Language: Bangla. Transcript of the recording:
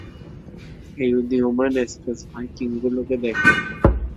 এই উদীয়মান স্পেস ভাইকিংগুলোকে দেখো।